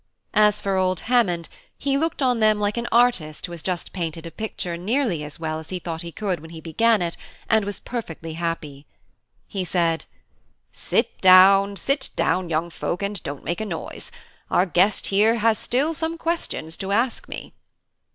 As for old Hammond, he looked on them like an artist who has just painted a picture nearly as well as he thought he could when he began it, and was perfectly happy. He said: "Sit down, sit down, young folk, and don't make a noise. Our guest here has still some questions to ask me."